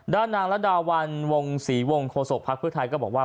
ด้านหางและด่าวันวงสี่วงโคสกพพคเรือไทยก็บอกว่า